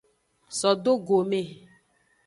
So do gome.